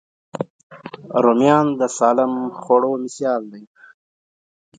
رومیان د سالم خوړو مثال دی